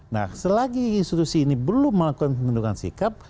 nah selagi institusi ini belum melakukan pembentukan sikap